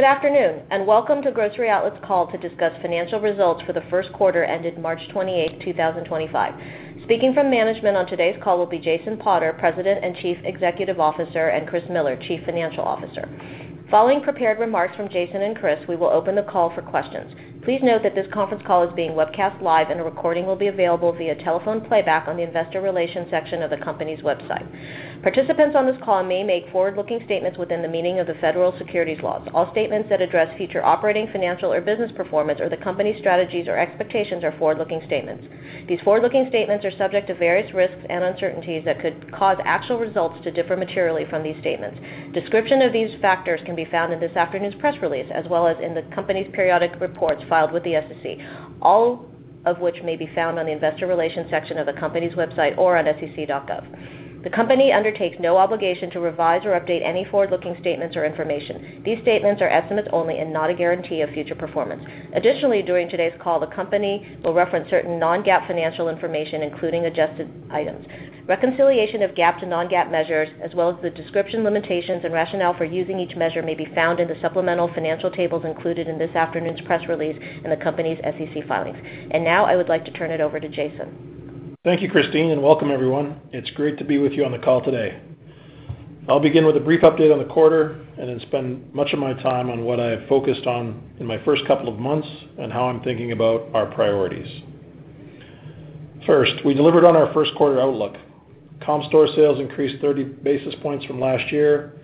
Good afternoon, and welcome to Grocery Outlet's call to discuss financial results for the first quarter ended March 28, 2025. Speaking from management on today's call will be Jason Potter, President and Chief Executive Officer, and Chris Miller, Chief Financial Officer. Following prepared remarks from Jason and Chris, we will open the call for questions. Please note that this conference call is being webcast live, and a recording will be available via telephone playback on the investor relations section of the company's website. Participants on this call may make forward-looking statements within the meaning of the federal securities laws. All statements that address future operating, financial, or business performance or the company's strategies or expectations are forward-looking statements. These forward-looking statements are subject to various risks and uncertainties that could cause actual results to differ materially from these statements. Description of these factors can be found in this afternoon's press release, as well as in the company's periodic reports filed with the SEC, all of which may be found on the investor relations section of the company's website or on sec.gov. The company undertakes no obligation to revise or update any forward-looking statements or information. These statements are estimates only and not a guarantee of future performance. Additionally, during today's call, the company will reference certain non-GAAP financial information, including adjusted items. Reconciliation of GAAP to non-GAAP measures, as well as the description, limitations, and rationale for using each measure, may be found in the supplemental financial tables included in this afternoon's press release and the company's SEC filings. I would like to turn it over to Jason. Thank you, Christine, and welcome, everyone. It's great to be with you on the call today. I'll begin with a brief update on the quarter and then spend much of my time on what I have focused on in my first couple of months and how I'm thinking about our priorities. First, we delivered on our first quarter outlook. Comp-store sales increased 30 basis points from last year,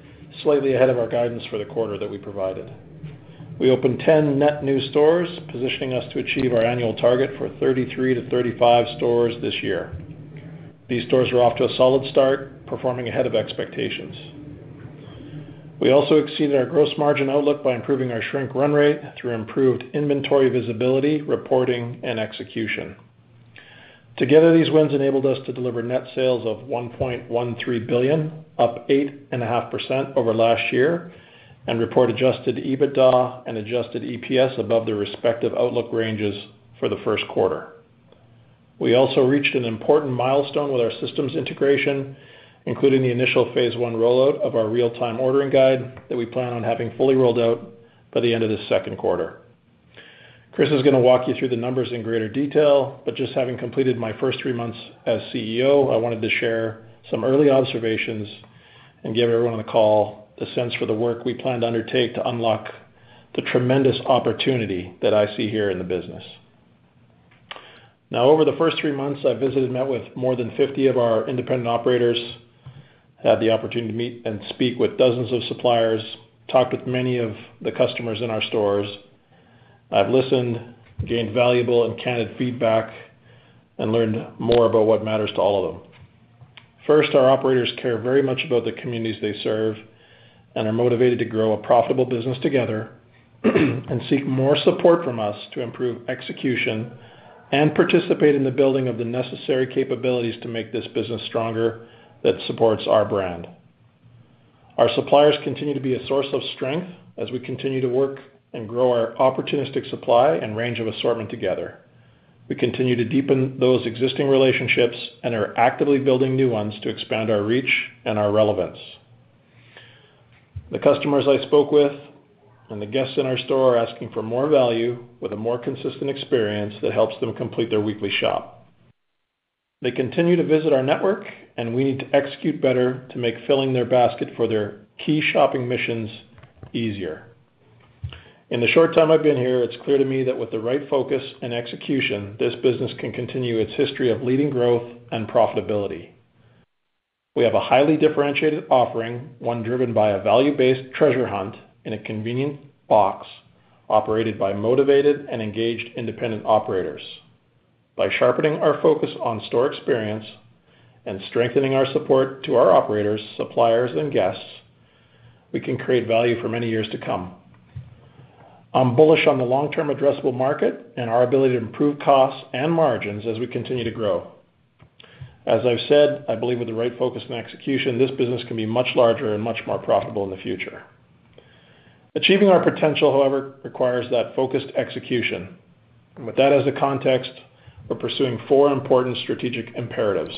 slightly ahead of our guidance for the quarter that we provided. We opened 10 net new stores, positioning us to achieve our annual target for 33-35 stores this year. These stores are off to a solid start, performing ahead of expectations. We also exceeded our gross margin outlook by improving our shrink run rate through improved inventory visibility, reporting, and execution. Together, these wins enabled us to deliver net sales of $1.13 billion, up 8.5% over last year, and report adjusted EBITDA and adjusted EPS above their respective outlook ranges for the first quarter. We also reached an important milestone with our systems integration, including the initial phase one rollout of our real-time ordering guide that we plan on having fully rolled out by the end of this second quarter. Chris is going to walk you through the numbers in greater detail, but just having completed my first three months as CEO, I wanted to share some early observations and give everyone on the call a sense for the work we plan to undertake to unlock the tremendous opportunity that I see here in the business. Now, over the first three months, I visited and met with more than 50 of our independent operators, had the opportunity to meet and speak with dozens of suppliers, talked with many of the customers in our stores. I've listened, gained valuable and candid feedback, and learned more about what matters to all of them. First, our operators care very much about the communities they serve and are motivated to grow a profitable business together and seek more support from us to improve execution and participate in the building of the necessary capabilities to make this business stronger that supports our brand. Our suppliers continue to be a source of strength as we continue to work and grow our opportunistic supply and range of assortment together. We continue to deepen those existing relationships and are actively building new ones to expand our reach and our relevance. The customers I spoke with and the guests in our store are asking for more value with a more consistent experience that helps them complete their weekly shop. They continue to visit our network, and we need to execute better to make filling their basket for their key shopping missions easier. In the short time I've been here, it's clear to me that with the right focus and execution, this business can continue its history of leading growth and profitability. We have a highly differentiated offering, one driven by a value-based treasure hunt in a convenient box operated by motivated and engaged independent operators. By sharpening our focus on store experience and strengthening our support to our operators, suppliers, and guests, we can create value for many years to come. I'm bullish on the long-term addressable market and our ability to improve costs and margins as we continue to grow. As I've said, I believe with the right focus and execution, this business can be much larger and much more profitable in the future. Achieving our potential, however, requires that focused execution. With that as the context, we're pursuing four important strategic imperatives.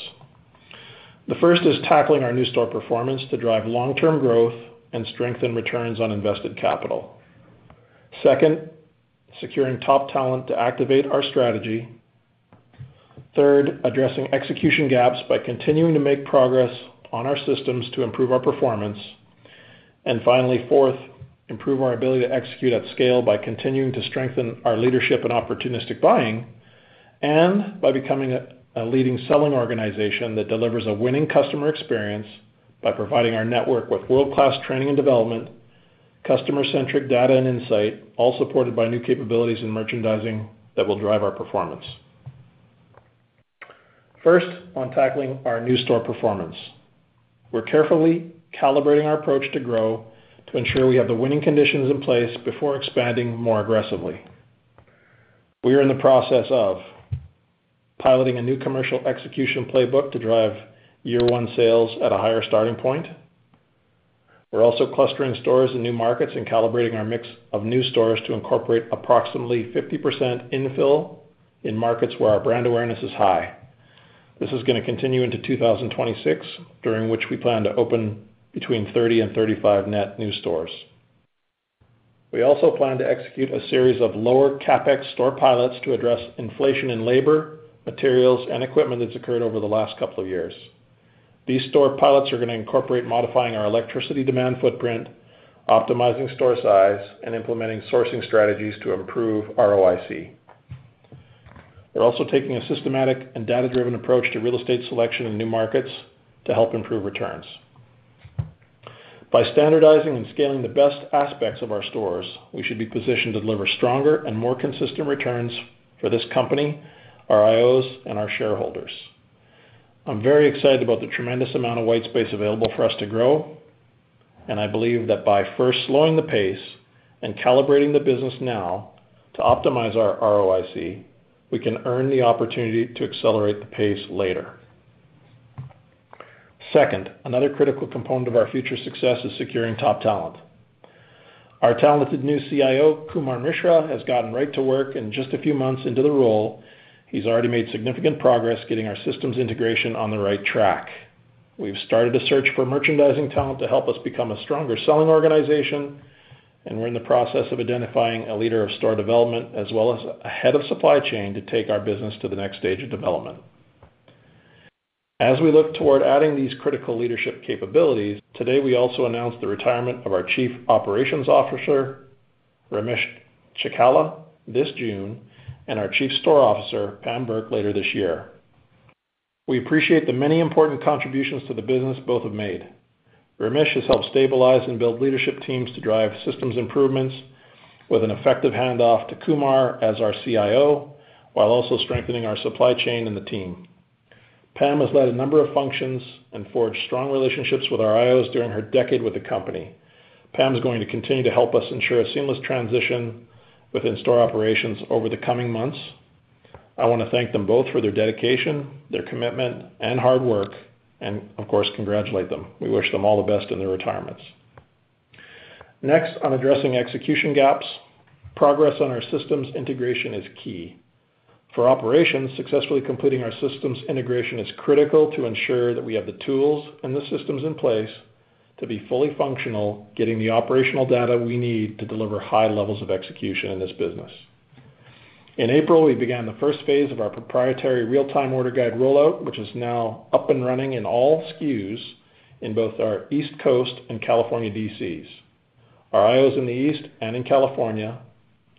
The first is tackling our new store performance to drive long-term growth and strengthen returns on invested capital. Second, securing top talent to activate our strategy. Third, addressing execution gaps by continuing to make progress on our systems to improve our performance. Finally, fourth, improve our ability to execute at scale by continuing to strengthen our leadership and opportunistic buying and by becoming a leading selling organization that delivers a winning customer experience by providing our network with world-class training and development, customer-centric data and insight, all supported by new capabilities in merchandising that will drive our performance. First, on tackling our new store performance, we're carefully calibrating our approach to grow to ensure we have the winning conditions in place before expanding more aggressively. We are in the process of piloting a new commercial execution playbook to drive year-one sales at a higher starting point. We're also clustering stores in new markets and calibrating our mix of new stores to incorporate approximately 50% infill in markets where our brand awareness is high. This is going to continue into 2026, during which we plan to open between 30 and 35 net new stores. We also plan to execute a series of lower Capex store pilots to address inflation in labor, materials, and equipment that's occurred over the last couple of years. These store pilots are going to incorporate modifying our electricity demand footprint, optimizing store size, and implementing sourcing strategies to improve ROIC. We're also taking a systematic and data-driven approach to real estate selection in new markets to help improve returns. By standardizing and scaling the best aspects of our stores, we should be positioned to deliver stronger and more consistent returns for this company, our IOs, and our shareholders. I'm very excited about the tremendous amount of white space available for us to grow, and I believe that by first slowing the pace and calibrating the business now to optimize our ROIC, we can earn the opportunity to accelerate the pace later. Second, another critical component of our future success is securing top talent. Our talented new CIO, Kumar Mishra, has gotten right to work, and just a few months into the role, he's already made significant progress getting our systems integration on the right track. We've started a search for merchandising talent to help us become a stronger selling organization, and we're in the process of identifying a leader of store development as well as a head of supply chain to take our business to the next stage of development. As we look toward adding these critical leadership capabilities, today we also announced the retirement of our Chief Operations Officer, Ramesh Chikkala, this June, and our Chief Store Officer, Pam Burke, later this year. We appreciate the many important contributions to the business both have made. Ramesh has helped stabilize and build leadership teams to drive systems improvements, with an effective handoff to Kumar as our CIO, while also strengthening our supply chain and the team. Pam has led a number of functions and forged strong relationships with our IOs during her decade with the company. Pam is going to continue to help us ensure a seamless transition within store operations over the coming months. I want to thank them both for their dedication, their commitment, and hard work, and of course, congratulate them. We wish them all the best in their retirements. Next, on addressing execution gaps, progress on our systems integration is key. For operations, successfully completing our systems integration is critical to ensure that we have the tools and the systems in place to be fully functional, getting the operational data we need to deliver high levels of execution in this business. In April, we began the first phase of our proprietary real-time order guide rollout, which is now up and running in all SKUs in both our East Coast and California DCs. Our IOs in the East and in California,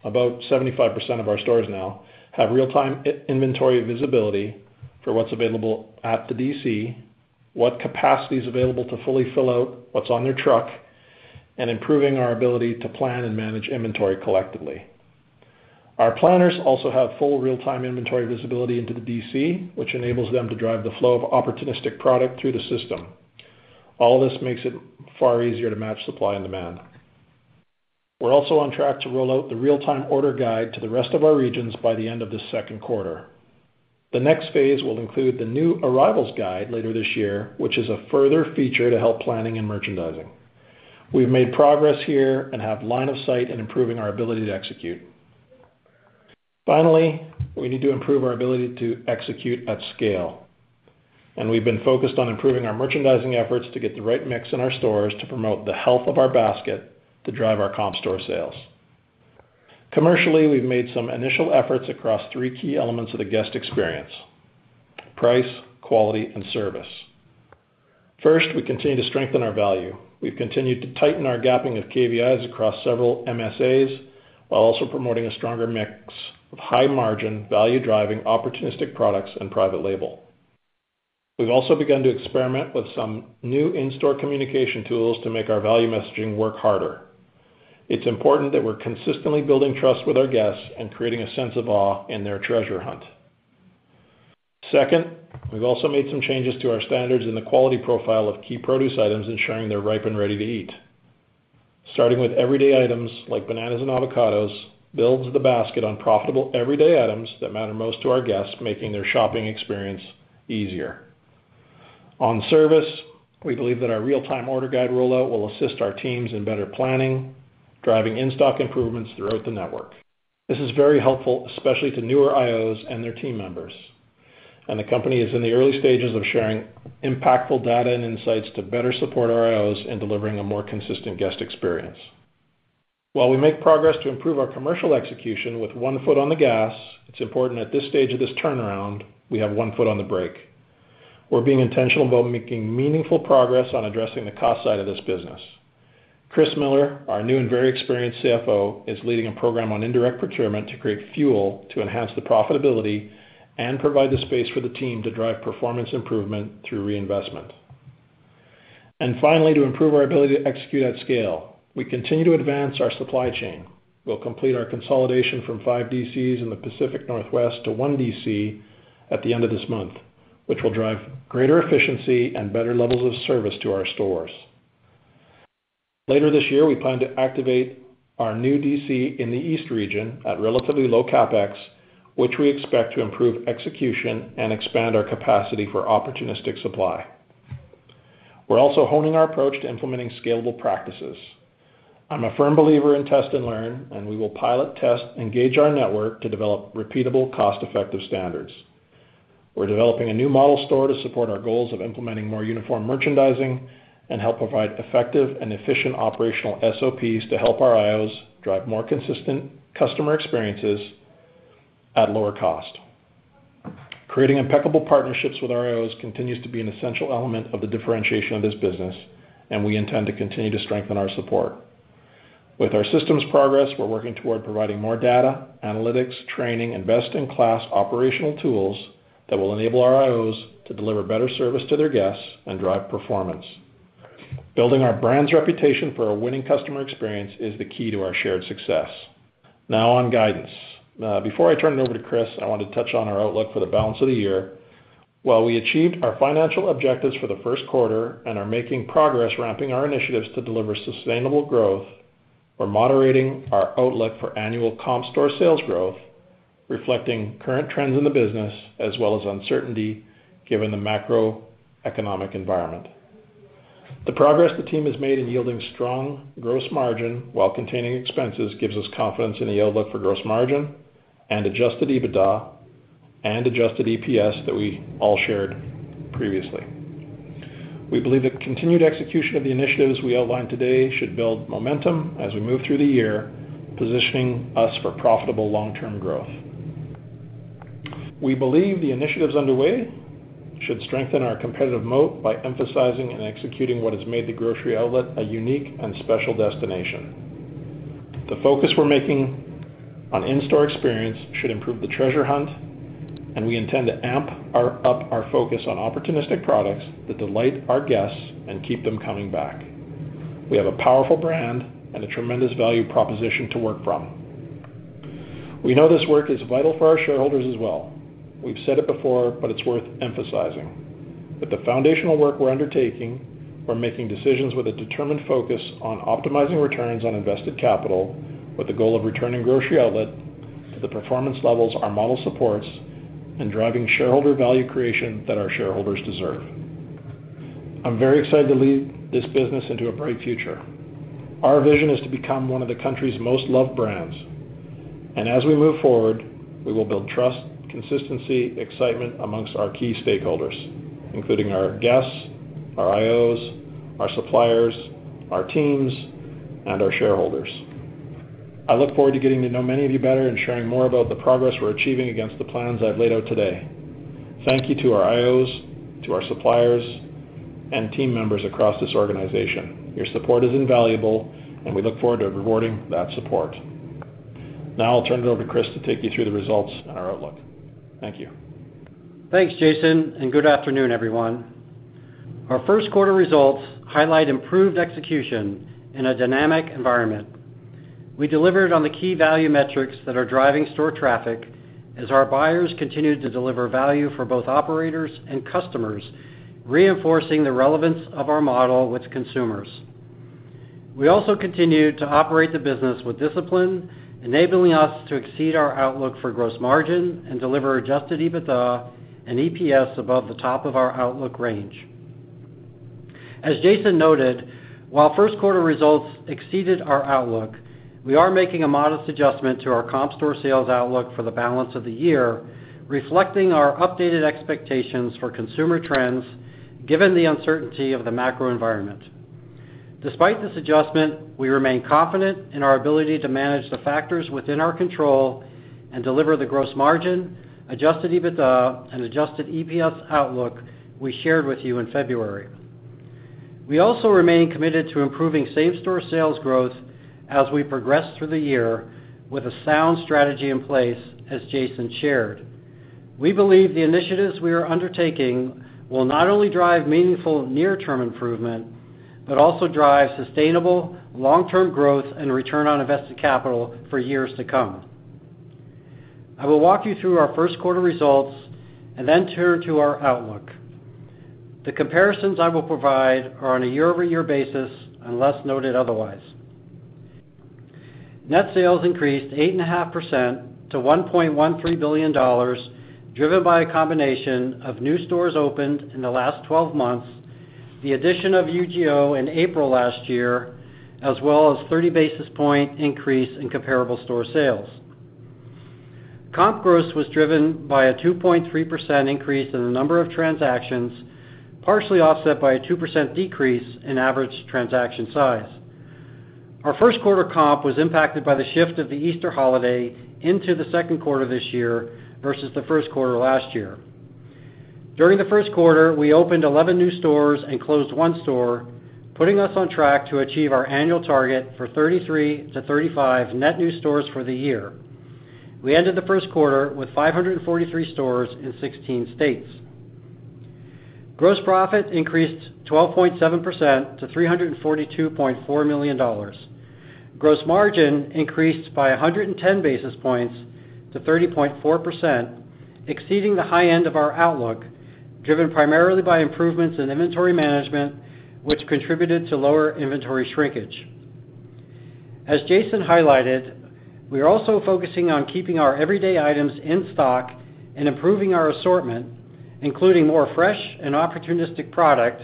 about 75% of our stores now, have real-time inventory visibility for what's available at the DC, what capacity is available to fully fill out, what's on their truck, and improving our ability to plan and manage inventory collectively. Our planners also have full real-time inventory visibility into the DC, which enables them to drive the flow of opportunistic product through the system. All this makes it far easier to match supply and demand. We're also on track to roll out the real-time order guide to the rest of our regions by the end of this second quarter. The next phase will include the new arrivals guide later this year, which is a further feature to help planning and merchandising. We've made progress here and have line of sight in improving our ability to execute. Finally, we need to improve our ability to execute at scale, and we've been focused on improving our merchandising efforts to get the right mix in our stores to promote the health of our basket to drive our comp-store sales. Commercially, we've made some initial efforts across three key elements of the guest experience: price, quality, and service. First, we continue to strengthen our value. We've continued to tighten our gapping of KVIs across several MSAs while also promoting a stronger mix of high-margin, value-driving, opportunistic products and private label. We've also begun to experiment with some new in-store communication tools to make our value messaging work harder. It's important that we're consistently building trust with our guests and creating a sense of awe in their treasure hunt. Second, we've also made some changes to our standards in the quality profile of key produce items, ensuring they're ripe and ready to eat. Starting with everyday items like bananas and avocados, builds the basket on profitable everyday items that matter most to our guests, making their shopping experience easier. On service, we believe that our real-time order guide rollout will assist our teams in better planning, driving in-stock improvements throughout the network. This is very helpful, especially to newer IOs and their team members, and the company is in the early stages of sharing impactful data and insights to better support our IOs in delivering a more consistent guest experience. While we make progress to improve our commercial execution with one foot on the gas, it's important at this stage of this turnaround we have one foot on the brake. We're being intentional about making meaningful progress on addressing the cost side of this business. Chris Miller, our new and very experienced CFO, is leading a program on indirect procurement to create fuel to enhance the profitability and provide the space for the team to drive performance improvement through reinvestment. Finally, to improve our ability to execute at scale, we continue to advance our supply chain. We'll complete our consolidation from five DCs in the Pacific Northwest to one DC at the end of this month, which will drive greater efficiency and better levels of service to our stores. Later this year, we plan to activate our new DC in the East region at relatively low capex, which we expect to improve execution and expand our capacity for opportunistic supply. We're also honing our approach to implementing scalable practices. I'm a firm believer in test and learn, and we will pilot, test, engage our network to develop repeatable, cost-effective standards. We're developing a new model store to support our goals of implementing more uniform merchandising and help provide effective and efficient operational SOPs to help our IOs drive more consistent customer experiences at lower cost. Creating impeccable partnerships with our IOs continues to be an essential element of the differentiation of this business, and we intend to continue to strengthen our support. With our systems progress, we're working toward providing more data, analytics, training, and best-in-class operational tools that will enable our IOs to deliver better service to their guests and drive performance. Building our brand's reputation for a winning customer experience is the key to our shared success. Now on guidance. Before I turn it over to Chris, I wanted to touch on our outlook for the balance of the year. While we achieved our financial objectives for the first quarter and are making progress, ramping our initiatives to deliver sustainable growth, we're moderating our outlook for annual comp-store sales growth, reflecting current trends in the business as well as uncertainty given the macroeconomic environment. The progress the team has made in yielding strong gross margin while containing expenses gives us confidence in the outlook for gross margin and adjusted EBITDA and adjusted EPS that we all shared previously. We believe that continued execution of the initiatives we outlined today should build momentum as we move through the year, positioning us for profitable long-term growth. We believe the initiatives underway should strengthen our competitive moat by emphasizing and executing what has made the Grocery Outlet a unique and special destination. The focus we're making on in-store experience should improve the treasure hunt, and we intend to amp up our focus on opportunistic products that delight our guests and keep them coming back. We have a powerful brand and a tremendous value proposition to work from. We know this work is vital for our shareholders as well. We've said it before, but it's worth emphasizing. With the foundational work we're undertaking, we're making decisions with a determined focus on optimizing returns on invested capital with the goal of returning Grocery Outlet to the performance levels our model supports and driving shareholder value creation that our shareholders deserve. I'm very excited to lead this business into a bright future. Our vision is to become one of the country's most loved brands, and as we move forward, we will build trust, consistency, excitement amongst our key stakeholders, including our guests, our IOs, our suppliers, our teams, and our shareholders. I look forward to getting to know many of you better and sharing more about the progress we're achieving against the plans I've laid out today. Thank you to our IOs, to our suppliers, and team members across this organization. Your support is invaluable, and we look forward to rewarding that support. Now I'll turn it over to Chris to take you through the results and our outlook. Thank you. Thanks, Jason, and good afternoon, everyone. Our first quarter results highlight improved execution in a dynamic environment. We delivered on the key value metrics that are driving store traffic as our buyers continue to deliver value for both operators and customers, reinforcing the relevance of our model with consumers. We also continue to operate the business with discipline, enabling us to exceed our outlook for gross margin and deliver adjusted EBITDA and EPS above the top of our outlook range. As Jason noted, while first quarter results exceeded our outlook, we are making a modest adjustment to our comp-store sales outlook for the balance of the year, reflecting our updated expectations for consumer trends given the uncertainty of the macro environment. Despite this adjustment, we remain confident in our ability to manage the factors within our control and deliver the gross margin, adjusted EBITDA, and adjusted EPS outlook we shared with you in February. We also remain committed to improving same-store sales growth as we progress through the year with a sound strategy in place, as Jason shared. We believe the initiatives we are undertaking will not only drive meaningful near-term improvement but also drive sustainable long-term growth and return on invested capital for years to come. I will walk you through our first quarter results and then turn to our outlook. The comparisons I will provide are on a year-over-year basis unless noted otherwise. Net sales increased 8.5% to $1.13 billion, driven by a combination of new stores opened in the last 12 months, the addition of UGO in April last year, as well as a 30 basis point increase in comparable store sales. Com gross was driven by a 2.3% increase in the number of transactions, partially offset by a 2% decrease in average transaction size. Our first quarter comp was impacted by the shift of the Easter holiday into the second quarter this year versus the first quarter last year. During the first quarter, we opened 11 new stores and closed one store, putting us on track to achieve our annual target for 33-35 net new stores for the year. We ended the first quarter with 543 stores in 16 states. Gross profit increased 12.7% to $342.4 million. Gross margin increased by 110 basis points to 30.4%, exceeding the high end of our outlook, driven primarily by improvements in inventory management, which contributed to lower inventory shrinkage. As Jason highlighted, we are also focusing on keeping our everyday items in stock and improving our assortment, including more fresh and opportunistic product,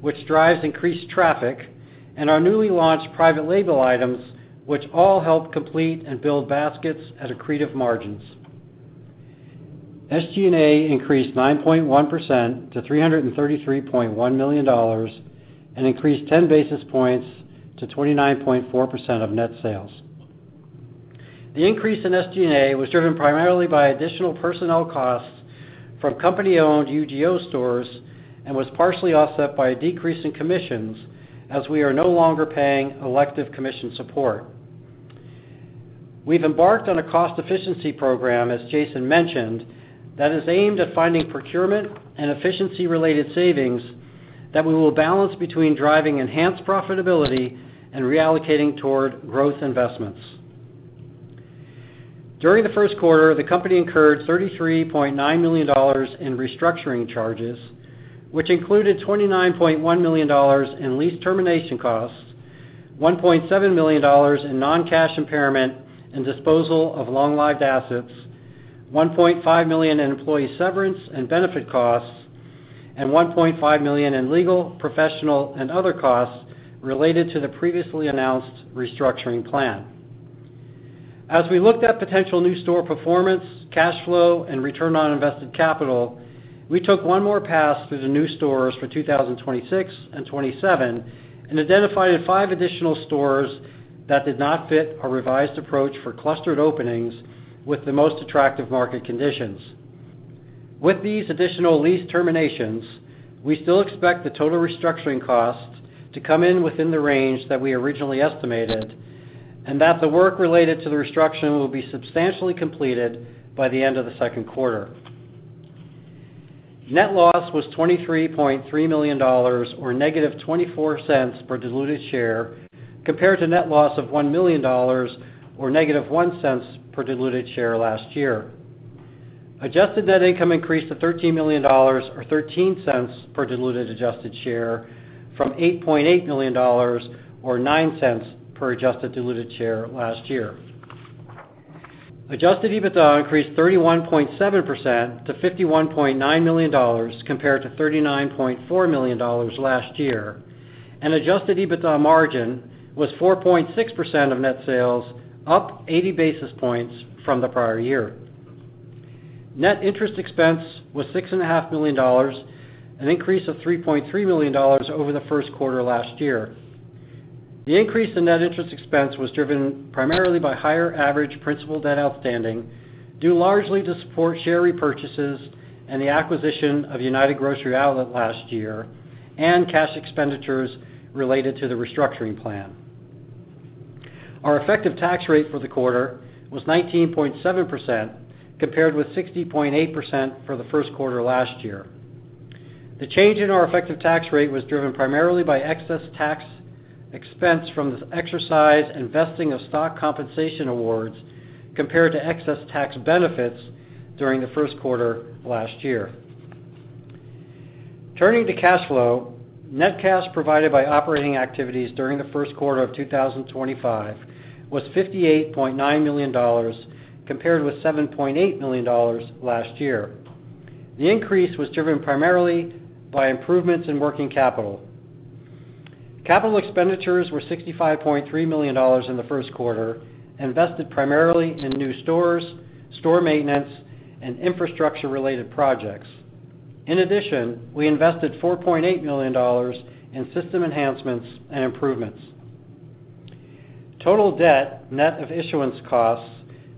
which drives increased traffic, and our newly launched private label items, which all help complete and build baskets at accretive margins. SG&A increased 9.1% to $333.1 million and increased 10 basis points to 29.4% of net sales. The increase in SG&A was driven primarily by additional personnel costs from company-owned UGO stores and was partially offset by a decrease in commissions as we are no longer paying elective commission support. We have embarked on a cost efficiency program, as Jason mentioned, that is aimed at finding procurement and efficiency-related savings that we will balance between driving enhanced profitability and reallocating toward growth investments. During the first quarter, the company incurred $33.9 million in restructuring charges, which included $29.1 million in lease termination costs, $1.7 million in non-cash impairment and disposal of long-lived assets, $1.5 million in employee severance and benefit costs, and $1.5 million in legal, professional, and other costs related to the previously announced restructuring plan. As we looked at potential new store performance, cash flow, and return on invested capital, we took one more pass through the new stores for 2026 and 2027 and identified five additional stores that did not fit our revised approach for clustered openings with the most attractive market conditions. With these additional lease terminations, we still expect the total restructuring cost to come in within the range that we originally estimated and that the work related to the restructuring will be substantially completed by the end of the second quarter. Net loss was $23.3 million or -$0.24 per diluted share compared to net loss of $1 million or -$0.01 per diluted share last year. Adjusted net income increased to $13 million or $0.13 per diluted adjusted share from $8.8 million or $0.09 per adjusted diluted share last year. Adjusted EBITDA increased 31.7% to $51.9 million compared to $39.4 million last year, and adjusted EBITDA margin was 4.6% of net sales, up 80 basis points from the prior year. Net interest expense was $6.5 million, an increase of $3.3 million over the first quarter last year. The increase in net interest expense was driven primarily by higher average principal debt outstanding due largely to support share repurchases and the acquisition of United Grocery Outlet last year and cash expenditures related to the restructuring plan. Our effective tax rate for the quarter was 19.7% compared with 60.8% for the first quarter last year. The change in our effective tax rate was driven primarily by excess tax expense from the exercise and vesting of stock compensation awards compared to excess tax benefits during the first quarter last year. Turning to cash flow, net cash provided by operating activities during the first quarter of 2025 was $58.9 million compared with $7.8 million last year. The increase was driven primarily by improvements in working capital. Capital expenditures were $65.3 million in the first quarter and invested primarily in new stores, store maintenance, and infrastructure-related projects. In addition, we invested $4.8 million in system enhancements and improvements. Total debt net of issuance costs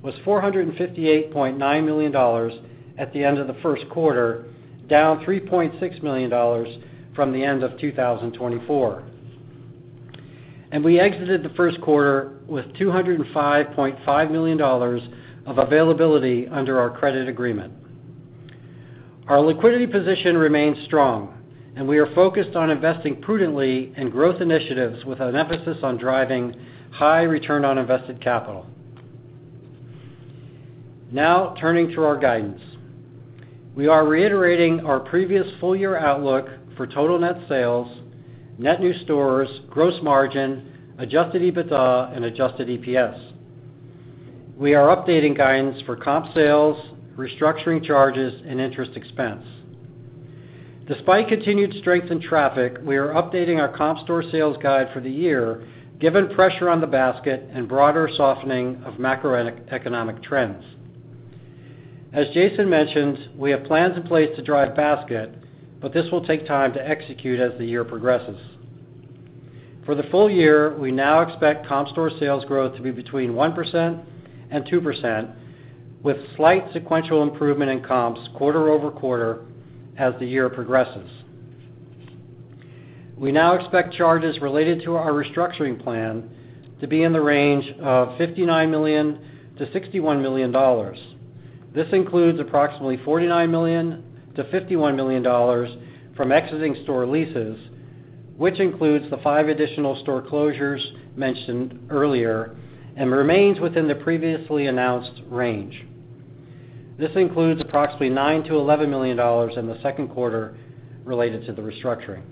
was $458.9 million at the end of the first quarter, down $3.6 million from the end of 2024. We exited the first quarter with $205.5 million of availability under our credit agreement. Our liquidity position remains strong, and we are focused on investing prudently in growth initiatives with an emphasis on driving high return on invested capital. Now turning to our guidance. We are reiterating our previous full-year outlook for total net sales, net new stores, gross margin, adjusted EBITDA, and adjusted EPS. We are updating guidance for comp sales, restructuring charges, and interest expense. Despite continued strength in traffic, we are updating our comp-store sales guide for the year given pressure on the basket and broader softening of macroeconomic trends. As Jason mentioned, we have plans in place to drive basket, but this will take time to execute as the year progresses. For the full year, we now expect comp-store sales growth to be between 1% and 2% with slight sequential improvement in comps quarter over quarter as the year progresses. We now expect charges related to our restructuring plan to be in the range of $59 million-$61 million. This includes approximately $49 million-$51 million from exiting store leases, which includes the five additional store closures mentioned earlier and remains within the previously announced range. This includes approximately $9 million-$11 million in the second quarter related to the restructuring.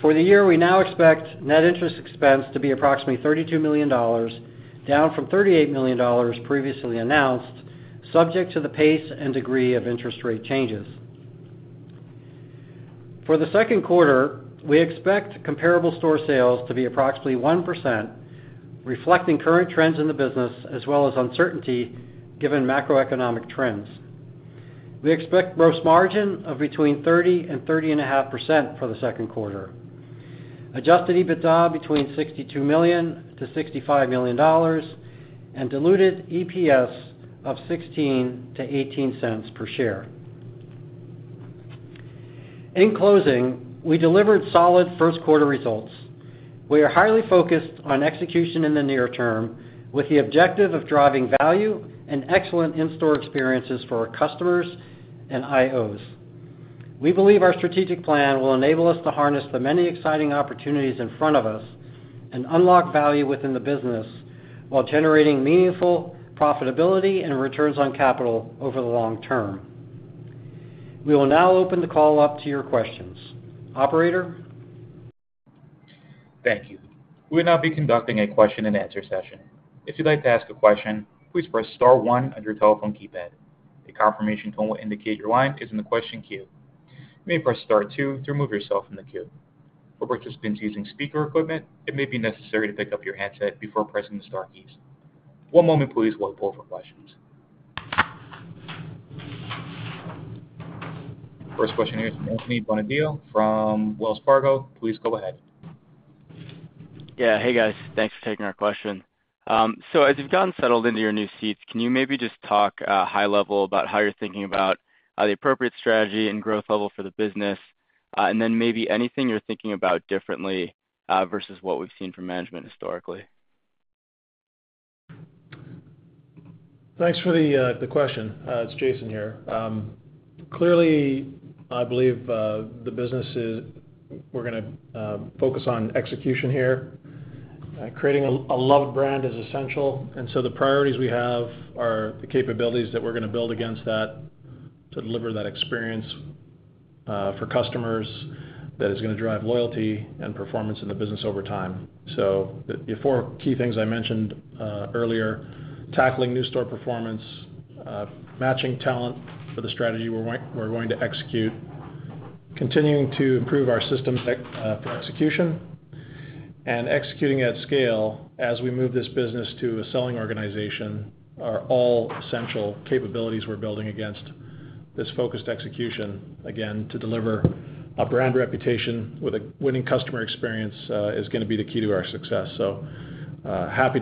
For the year, we now expect net interest expense to be approximately $32 million, down from $38 million previously announced, subject to the pace and degree of interest rate changes. For the second quarter, we expect comparable store sales to be approximately 1%, reflecting current trends in the business as well as uncertainty given macroeconomic trends. We expect gross margin of between 30%-30.5% for the second quarter, adjusted EBITDA between $62 million-$65 million, and diluted EPS of $0.16-$0.18 per share. In closing, we delivered solid first quarter results. We are highly focused on execution in the near term with the objective of driving value and excellent in-store experiences for our customers and IOs. We believe our strategic plan will enable us to harness the many exciting opportunities in front of us and unlock value within the business while generating meaningful profitability and returns on capital over the long term. We will now open the call up to your questions. Operator. Thank you. We will now be conducting a question-and-answer session. If you'd like to ask a question, please press star one on your telephone keypad. A confirmation tone will indicate your line is in the question queue. You may press star two to remove yourself from the queue. For participants using speaker equipment, it may be necessary to pick up your handset before pressing the star keys. One moment, please, while we pull up our questions. First question here is from Anthony Bonadio from Wells Fargo. Please go ahead. Yeah. Hey, guys. Thanks for taking our question. As you've gotten settled into your new seats, can you maybe just talk high level about how you're thinking about the appropriate strategy and growth level for the business, and then maybe anything you're thinking about differently versus what we've seen from management historically? Thanks for the question. It's Jason here. Clearly, I believe the business is we're going to focus on execution here. Creating a loved brand is essential. The priorities we have are the capabilities that we're going to build against that to deliver that experience for customers that is going to drive loyalty and performance in the business over time. The four key things I mentioned earlier, tackling new store performance, matching talent for the strategy we're going to execute, continuing to improve our system for execution, and executing at scale as we move this business to a selling organization are all essential capabilities we're building against this focused execution. Again, to deliver a brand reputation with a winning customer experience is going to be the key to our success. Happy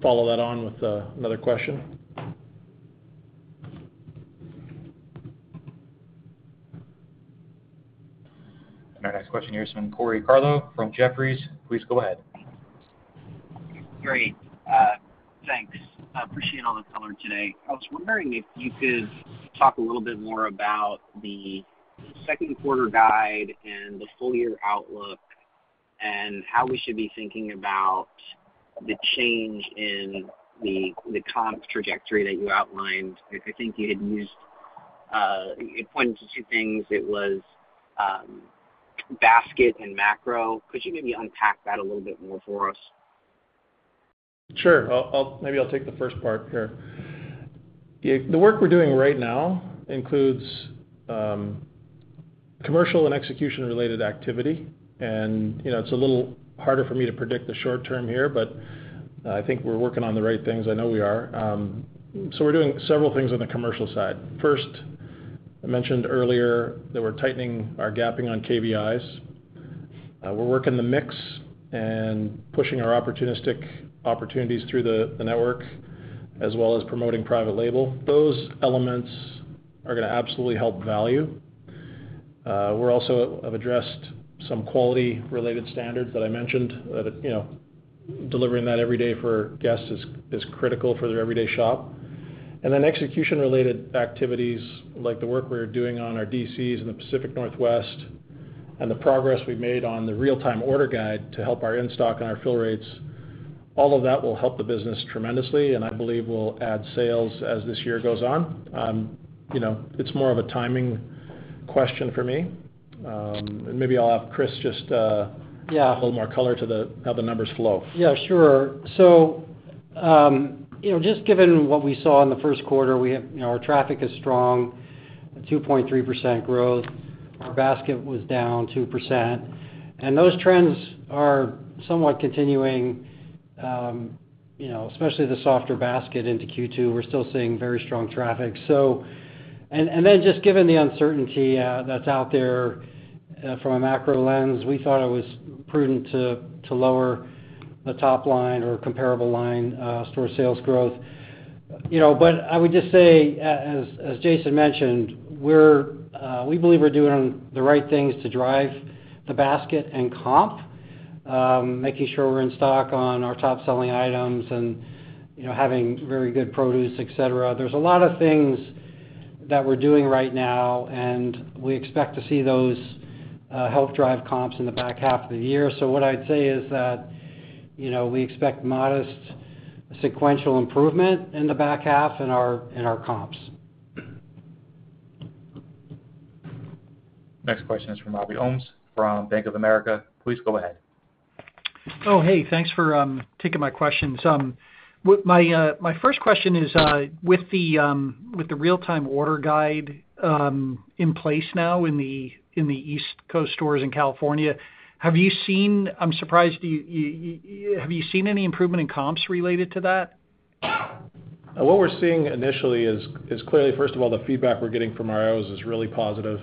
to follow that on with another question. Our next question here is from Corey Tarlowe from Jefferies. Please go ahead. Great. Thanks. I appreciate all the color today. I was wondering if you could talk a little bit more about the second quarter guide and the full-year outlook and how we should be thinking about the change in the comp trajectory that you outlined. I think you had pointed to two things. It was basket and macro. Could you maybe unpack that a little bit more for us? Sure. Maybe I'll take the first part here. The work we're doing right now includes commercial and execution-related activity. It's a little harder for me to predict the short term here, but I think we're working on the right things. I know we are. We're doing several things on the commercial side. First, I mentioned earlier that we're tightening our gapping on KBIs. We're working the mix and pushing our opportunistic opportunities through the network as well as promoting private label. Those elements are going to absolutely help value. We're also addressing some quality-related standards that I mentioned. Delivering that every day for guests is critical for their everyday shop. Execution-related activities like the work we are doing on our DCs in the Pacific Northwest and the progress we have made on the real-time order guide to help our in-stock and our fill rates, all of that will help the business tremendously and I believe will add sales as this year goes on. It is more of a timing question for me. Maybe I will have Chris just add a little more color to how the numbers flow. Yeah, sure. Just given what we saw in the first quarter, our traffic is strong, 2.3% growth. Our basket was down 2%. Those trends are somewhat continuing, especially the softer basket into Q2. We're still seeing very strong traffic. Just given the uncertainty that's out there from a macro lens, we thought it was prudent to lower the top line or comparable store sales growth. I would just say, as Jason mentioned, we believe we're doing the right things to drive the basket and comp, making sure we're in stock on our top-selling items and having very good produce, etc. There are a lot of things that we're doing right now, and we expect to see those help drive comps in the back half of the year. What I'd say is that we expect modest sequential improvement in the back half in our comps. Next question is from Robby Ohmes from Bank of America. Please go ahead. Oh, hey. Thanks for taking my questions. My first question is, with the real-time order guide in place now in the East Coast stores in California, have you seen—I'm surprised—have you seen any improvement in comps related to that? What we're seeing initially is clearly, first of all, the feedback we're getting from our IOs is really positive.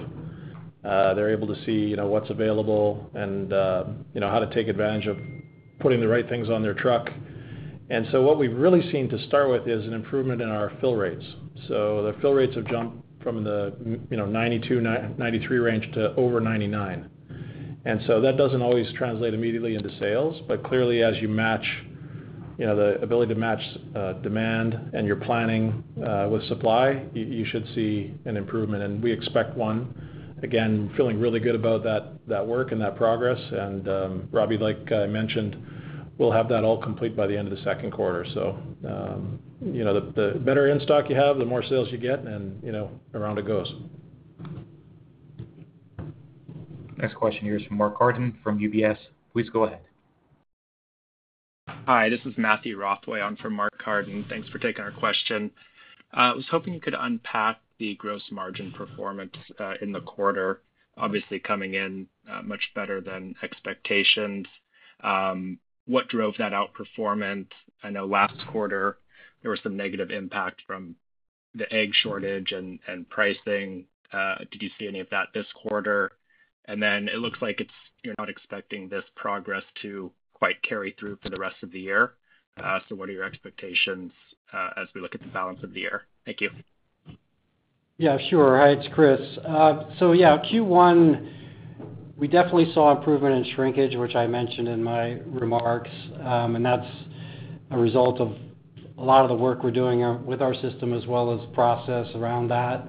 They're able to see what's available and how to take advantage of putting the right things on their truck. What we've really seen to start with is an improvement in our fill rates. The fill rates have jumped from the 92-93 range to over 99. That doesn't always translate immediately into sales, but clearly, as you match the ability to match demand and your planning with supply, you should see an improvement. We expect one. Again, feeling really good about that work and that progress. Robby, like I mentioned, we'll have that all complete by the end of the second quarter. The better in-stock you have, the more sales you get, and around it goes. Next question here is from Mark Carden from UBS. Please go ahead. Hi. This is Matthew Rothway. I'm from Mark Carden. Thanks for taking our question. I was hoping you could unpack the gross margin performance in the quarter, obviously coming in much better than expectations. What drove that outperformance? I know last quarter, there was some negative impact from the egg shortage and pricing. Did you see any of that this quarter? It looks like you're not expecting this progress to quite carry through for the rest of the year. What are your expectations as we look at the balance of the year? Thank you. Yeah, sure. Hi, it's Chris. Yeah, Q1, we definitely saw improvement in shrinkage, which I mentioned in my remarks. That's a result of a lot of the work we're doing with our system as well as process around that.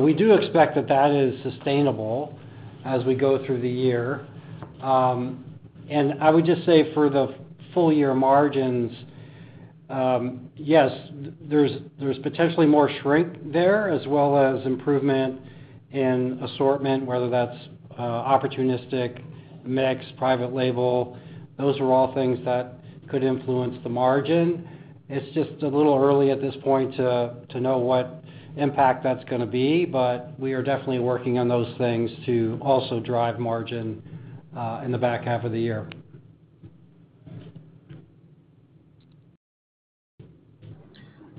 We do expect that that is sustainable as we go through the year. I would just say for the full-year margins, yes, there's potentially more shrink there as well as improvement in assortment, whether that's opportunistic, mix, private label. Those are all things that could influence the margin. It's just a little early at this point to know what impact that's going to be, but we are definitely working on those things to also drive margin in the back half of the year.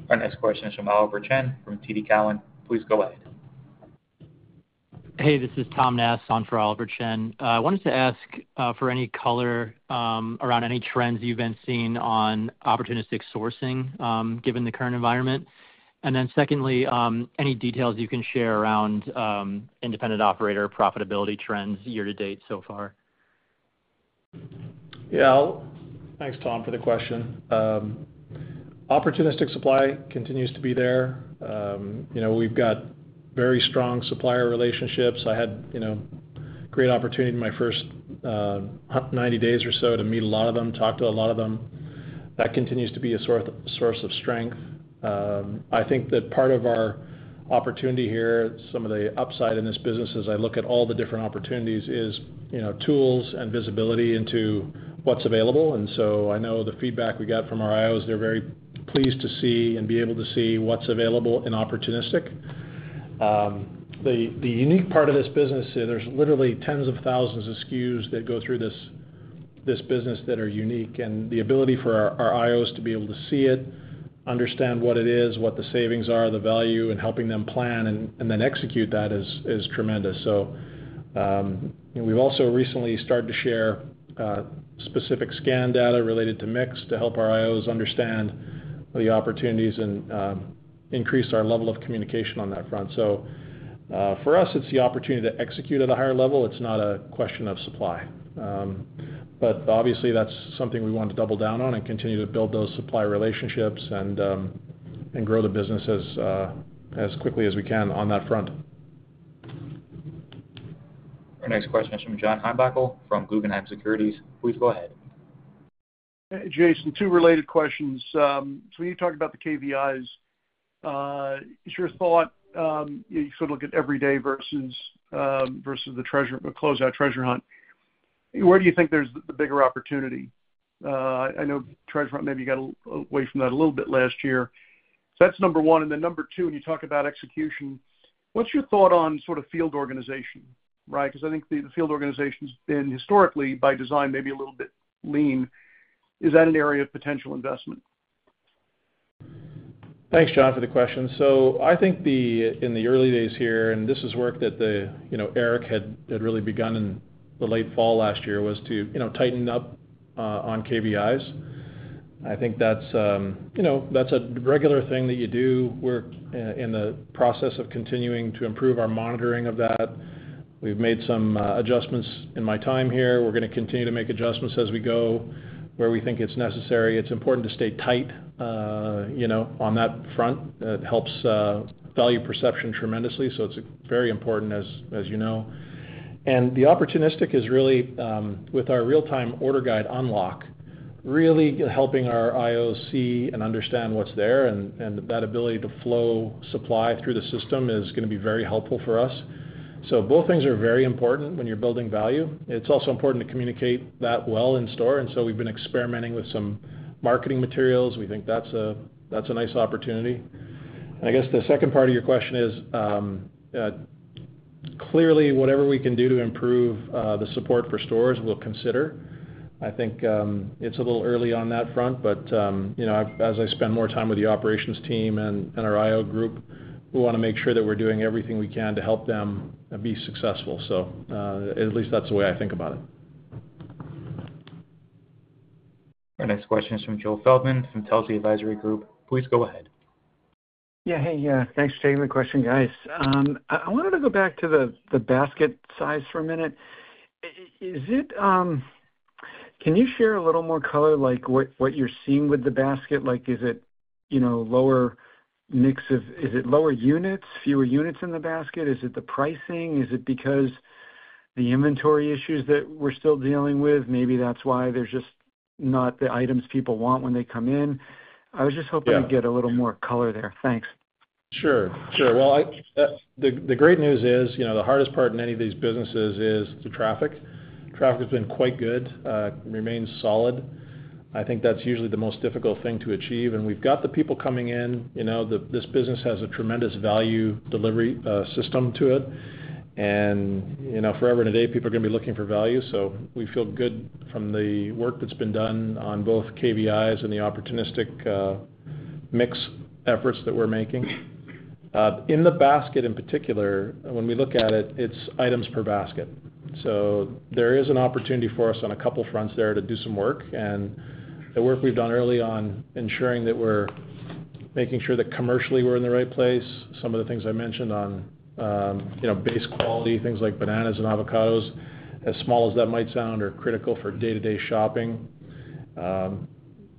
Our next question is from Oliver Chen from TD Cowen. Please go ahead. Hey, this is Tom Nass on for Oliver Chen. I wanted to ask for any color around any trends you've been seeing on opportunistic sourcing given the current environment. Secondly, any details you can share around independent operator profitability trends year to date so far? Yeah. Thanks, Tom, for the question. Opportunistic supply continues to be there. We've got very strong supplier relationships. I had a great opportunity in my first 90 days or so to meet a lot of them, talk to a lot of them. That continues to be a source of strength. I think that part of our opportunity here, some of the upside in this business as I look at all the different opportunities, is tools and visibility into what's available. I know the feedback we got from our IOs, they're very pleased to see and be able to see what's available in opportunistic. The unique part of this business, there's literally tens of thousands of SKUs that go through this business that are unique. The ability for our IOs to be able to see it, understand what it is, what the savings are, the value, and helping them plan and then execute that is tremendous. We have also recently started to share specific scan data related to mix to help our IOs understand the opportunities and increase our level of communication on that front. For us, it is the opportunity to execute at a higher level. It is not a question of supply. Obviously, that is something we want to double down on and continue to build those supply relationships and grow the business as quickly as we can on that front. Our next question is from John Heinbockel from Guggenheim Securities. Please go ahead. Hey, Jason, two related questions. When you talk about the KBIs, it's your thought, you sort of look at every day versus the closed-out treasure hunt. Where do you think there's the bigger opportunity? I know treasure hunt, maybe you got away from that a little bit last year. That's number one. Number two, when you talk about execution, what's your thought on sort of field organization, right? I think the field organization's been historically, by design, maybe a little bit lean. Is that an area of potential investment? Thanks, John, for the question. I think in the early days here, and this is work that Eric had really begun in the late fall last year, was to tighten up on KBIs. I think that's a regular thing that you do. We're in the process of continuing to improve our monitoring of that. We've made some adjustments in my time here. We're going to continue to make adjustments as we go where we think it's necessary. It's important to stay tight on that front. It helps value perception tremendously. It's very important, as you know. The opportunistic is really, with our real-time order guide unlock, really helping our IOs see and understand what's there. That ability to flow supply through the system is going to be very helpful for us. Both things are very important when you're building value. It's also important to communicate that well in store. We have been experimenting with some marketing materials. We think that's a nice opportunity. I guess the second part of your question is, clearly, whatever we can do to improve the support for stores, we'll consider. I think it's a little early on that front, but as I spend more time with the operations team and our IO group, we want to make sure that we're doing everything we can to help them be successful. At least that's the way I think about it. Our next question is from Joe Feldman from Telsey Advisory Group. Please go ahead. Yeah. Hey, yeah. Thanks for taking the question, guys. I wanted to go back to the basket size for a minute. Can you share a little more color, like what you're seeing with the basket? Is it lower mix of, is it lower units, fewer units in the basket? Is it the pricing? Is it because the inventory issues that we're still dealing with? Maybe that's why there's just not the items people want when they come in. I was just hoping to get a little more color there. Thanks. Sure. The great news is the hardest part in any of these businesses is the traffic. Traffic has been quite good, remains solid. I think that's usually the most difficult thing to achieve. We've got the people coming in. This business has a tremendous value delivery system to it. Forever and a day, people are going to be looking for value. We feel good from the work that's been done on both KBIs and the opportunistic mix efforts that we're making. In the basket in particular, when we look at it, it's items per basket. There is an opportunity for us on a couple of fronts there to do some work. The work we've done early on ensuring that we're making sure that commercially we're in the right place. Some of the things I mentioned on base quality, things like bananas and avocados, as small as that might sound, are critical for day-to-day shopping.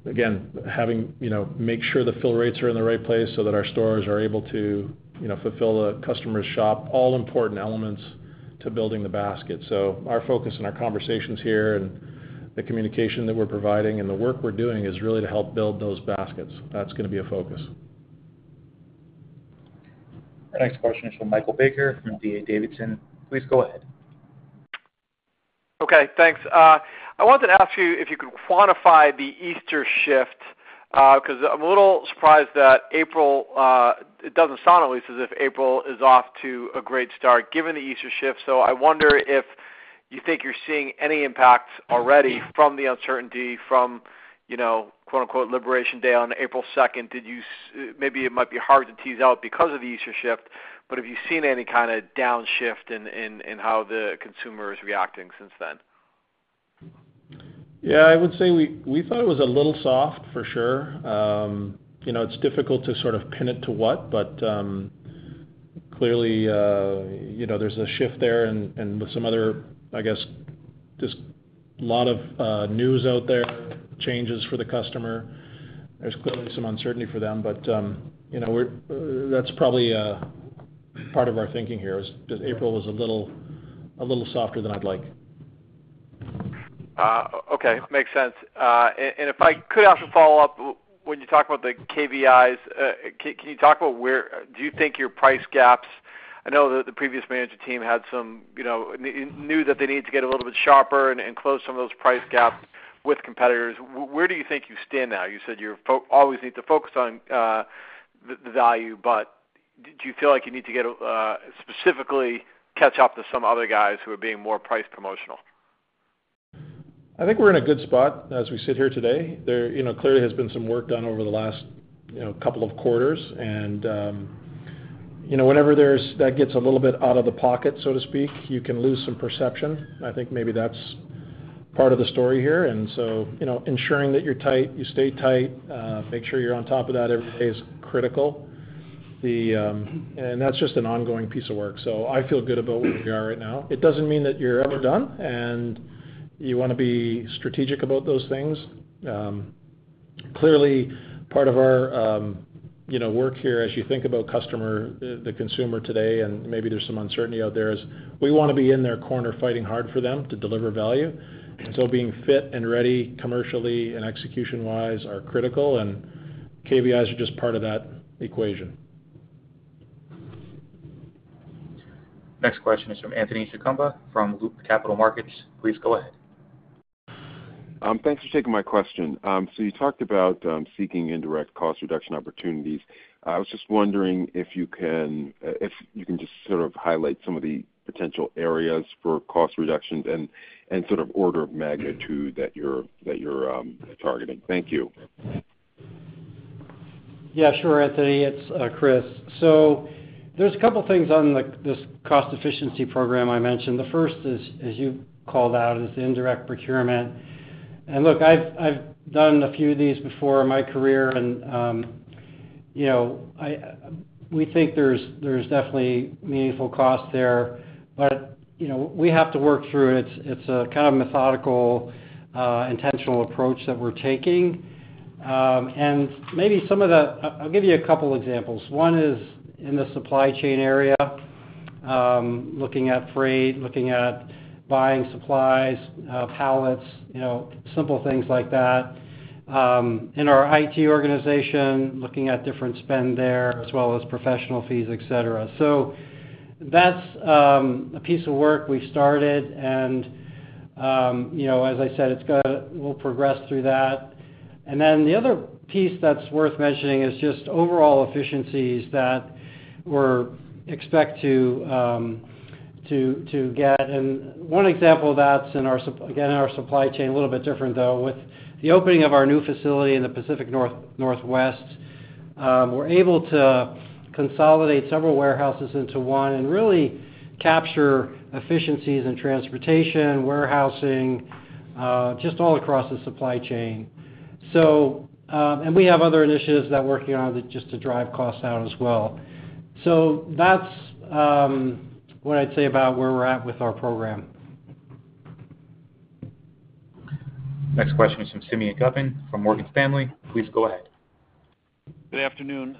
Again, having to make sure the fill rates are in the right place so that our stores are able to fulfill the customer's shop, all important elements to building the basket. Our focus and our conversations here and the communication that we're providing and the work we're doing is really to help build those baskets. That's going to be a focus. Our next question is from Michael Baker from D. A. Davidson. Please go ahead. Okay. Thanks. I wanted to ask you if you could quantify the Easter shift because I'm a little surprised that April, it doesn't sound at least as if April is off to a great start given the Easter shift. I wonder if you think you're seeing any impacts already from the uncertainty from [front call] "Liberation Day" on April 2nd. Maybe it might be hard to tease out because of the Easter shift, but have you seen any kind of downshift in how the consumer is reacting since then? Yeah. I would say we thought it was a little soft for sure. It's difficult to sort of pin it to what, but clearly, there's a shift there. With some other, I guess, just a lot of news out there, changes for the customer, there's clearly some uncertainty for them. That's probably part of our thinking here, is April was a little softer than I'd like. Okay. Makes sense. If I could ask a follow-up, when you talk about the KBIs, can you talk about where do you think your price gaps are? I know that the previous management team had some knew that they need to get a little bit sharper and close some of those price gaps with competitors. Where do you think you stand now? You said you always need to focus on the value, but do you feel like you need to specifically catch up to some other guys who are being more price promotional? I think we're in a good spot as we sit here today. There clearly has been some work done over the last couple of quarters. Whenever that gets a little bit out of the pocket, so to speak, you can lose some perception. I think maybe that's part of the story here. Ensuring that you're tight, you stay tight, make sure you're on top of that every day is critical. That is just an ongoing piece of work. I feel good about where we are right now. It does not mean that you're ever done, and you want to be strategic about those things. Clearly, part of our work here, as you think about the consumer today, and maybe there's some uncertainty out there, is we want to be in their corner fighting hard for them to deliver value. Being fit and ready commercially and execution-wise are critical, and KBIs are just part of that equation. Next question is from Anthony Chukumba from Loop Capital Markets. Please go ahead. Thanks for taking my question. You talked about seeking indirect cost reduction opportunities. I was just wondering if you can just sort of highlight some of the potential areas for cost reductions and sort of order of magnitude that you're targeting. Thank you. Yeah, sure, Anthony. It's Chris. There's a couple of things on this cost efficiency program I mentioned. The first, as you called out, is indirect procurement. Look, I've done a few of these before in my career. We think there's definitely meaningful cost there, but we have to work through it. It's a kind of methodical, intentional approach that we're taking. Maybe I'll give you a couple of examples. One is in the supply chain area, looking at freight, looking at buying supplies, pallets, simple things like that. In our IT organization, looking at different spend there as well as professional fees, etc. That's a piece of work we've started. As I said, we'll progress through that. The other piece that's worth mentioning is just overall efficiencies that we expect to get. One example of that is, again, in our supply chain, a little bit different though, with the opening of our new facility in the Pacific Northwest, we are able to consolidate several warehouses into one and really capture efficiencies in transportation, warehousing, just all across the supply chain. We have other initiatives that we are working on just to drive costs out as well. That is what I would say about where we are at with our program. Next question is from Simeon Gutman from Morgan Stanley. Please go ahead. Good afternoon.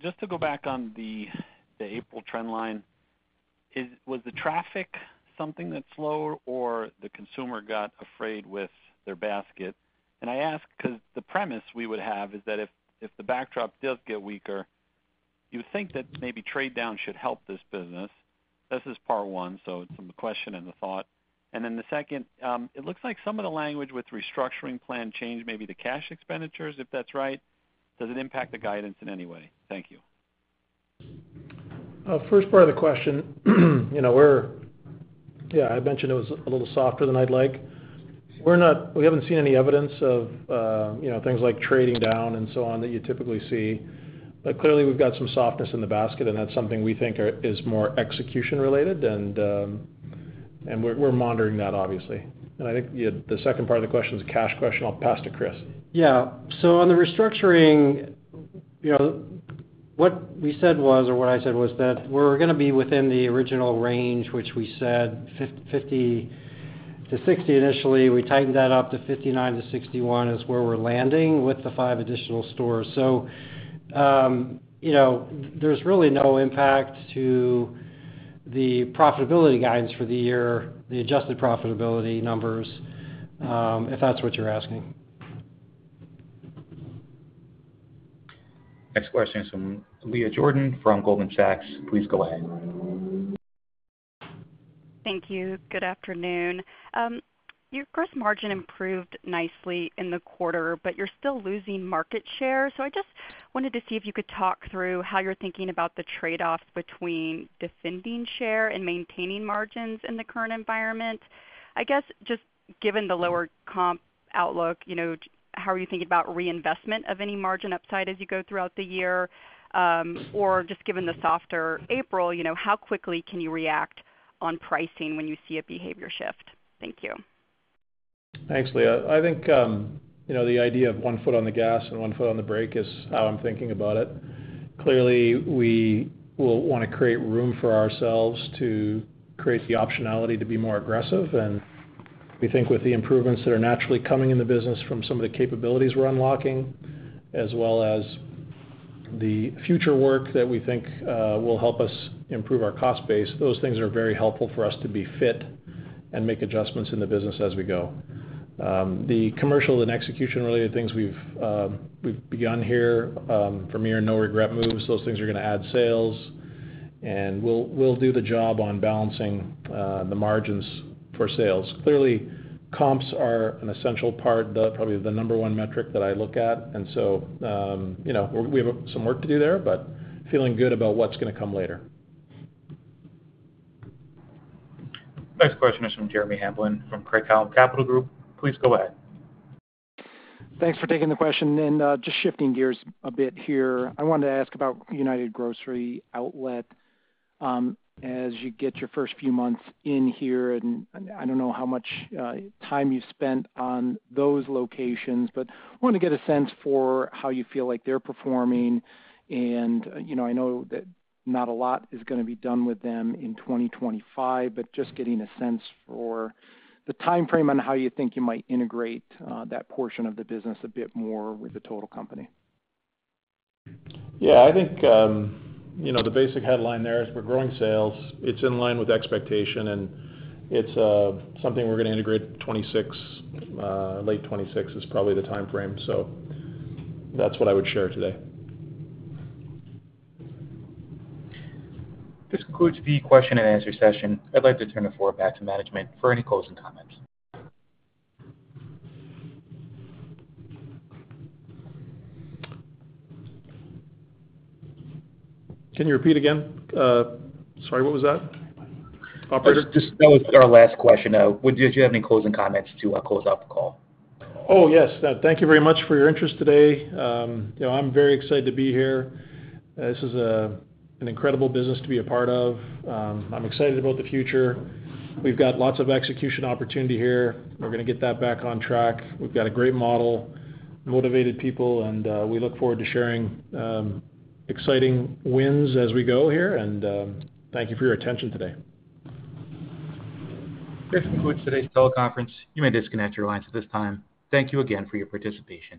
Just to go back on the April trend line, was the traffic something that slowed or the consumer got afraid with their basket? I ask because the premise we would have is that if the backdrop does get weaker, you would think that maybe trade down should help this business. This is part one. It is the question and the thought. The second, it looks like some of the language with restructuring plan changed maybe the cash expenditures, if that is right. Does it impact the guidance in any way? Thank you. First part of the question, yeah, I mentioned it was a little softer than I'd like. We haven't seen any evidence of things like trading down and so on that you typically see. Clearly, we've got some softness in the basket, and that's something we think is more execution-related. We're monitoring that, obviously. I think the second part of the question is a cash question. I'll pass to Chris. Yeah. On the restructuring, what we said was, or what I said was, that we're going to be within the original range, which we said 50-60 initially. We tightened that up to 59-61 is where we're landing with the five additional stores. There's really no impact to the profitability guidance for the year, the adjusted profitability numbers, if that's what you're asking. Next question is from Leah Jordan from Goldman Sachs. Please go ahead. Thank you. Good afternoon. Your gross margin improved nicely in the quarter, but you're still losing market share. I just wanted to see if you could talk through how you're thinking about the trade-off between defending share and maintaining margins in the current environment. I guess just given the lower-comp outlook, how are you thinking about reinvestment of any margin upside as you go throughout the year? Just given the softer April, how quickly can you react on pricing when you see a behavior shift? Thank you. Thanks, Leah. I think the idea of one foot on the gas and one foot on the brake is how I'm thinking about it. Clearly, we will want to create room for ourselves to create the optionality to be more aggressive. We think with the improvements that are naturally coming in the business from some of the capabilities we're unlocking, as well as the future work that we think will help us improve our cost base, those things are very helpful for us to be fit and make adjustments in the business as we go. The commercial and execution-related things we've begun here from here in no regret moves, those things are going to add sales. We'll do the job on balancing the margins for sales. Clearly, comps are an essential part, probably the number one metric that I look at. We have some work to do there, but feeling good about what's going to come later. Next question is from Jeremy Hamblin from Craig-Hallum Capital Group. Please go ahead. Thanks for taking the question. Just shifting gears a bit here, I wanted to ask about United Grocery Outlet as you get your first few months in here. I do not know how much time you have spent on those locations, but I want to get a sense for how you feel like they are performing. I know that not a lot is going to be done with them in 2025, but just getting a sense for the timeframe on how you think you might integrate that portion of the business a bit more with the total company. Yeah. I think the basic headline there is we're growing sales. It's in line with expectation, and it's something we're going to integrate late 2026 is probably the timeframe. So that's what I would share today. This concludes the question and answer session. I'd like to turn the floor back to management for any closing comments. Can you repeat again? Sorry, what was that? Operator? Just that was our last question. Did you have any closing comments to close out the call? Oh, yes. Thank you very much for your interest today. I'm very excited to be here. This is an incredible business to be a part of. I'm excited about the future. We've got lots of execution opportunity here. We're going to get that back on track. We've got a great model, motivated people, and we look forward to sharing exciting wins as we go here. Thank you for your attention today. This concludes today's teleconference. You may disconnect your lines at this time. Thank you again for your participation.